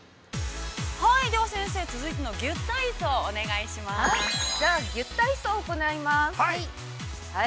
◆はい、では先生、続いては、ギュッ体操、◆じゃあギュッ体操を行います。